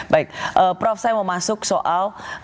baik prof saya mau masuk soal